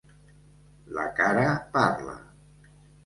La cara parla.